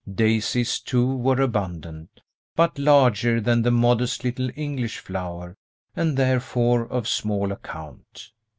Daisies, too, were abundant, but larger than the modest little English flower, and therefore of small account.